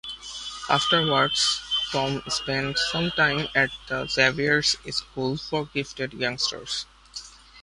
Afterwards, Tom spent some time at the Xavier's School for Gifted Youngsters.